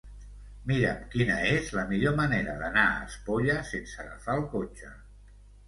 Mira'm quina és la millor manera d'anar a Espolla sense agafar el cotxe.